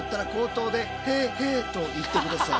と言って下さい。